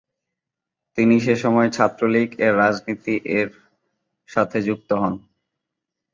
তিনি সেসময় ছাত্রলীগ এর রাজনীতি এর সাথে যুক্ত হন।